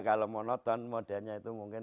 kalau mau nonton modelnya itu mungkin